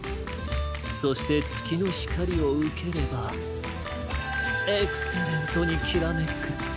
そしてつきのひかりをうければエクセレントにきらめく！